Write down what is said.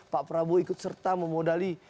pak prabowo ikut serta memodali